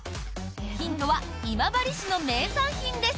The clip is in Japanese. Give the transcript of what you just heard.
ヒントは今治市の名産品です。